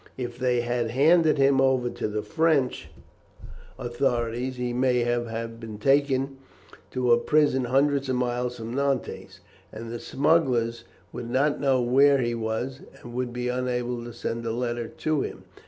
If they have handed him over to the French authorities he may have been taken to a prison hundreds of miles from Nantes, and the smugglers would not know where he was and would be unable to send a letter to him.